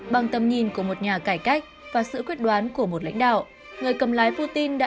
bằng tầm nhìn của một nhà cải cách và sự quyết đoán của một lãnh đạo người cầm lái putin đã